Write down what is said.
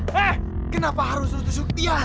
hei kenapa harus lo tusuk dia